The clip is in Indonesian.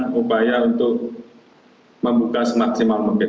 upaya untuk membuka semaksimal mungkin